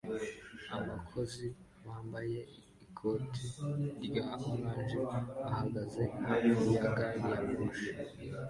Abakozi bambaye ikoti rya orange bahagaze hafi ya gari ya moshi